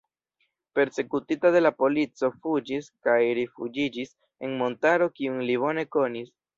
Persekutita de la polico fuĝis kaj rifuĝiĝis en montaro kiun li bone konis.